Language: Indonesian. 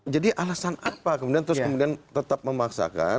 jadi alasan apa kemudian terus tetap memaksakan